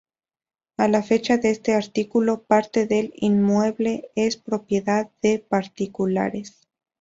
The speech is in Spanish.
A la fecha de este artículo, parte del inmueble es propiedad de particulares.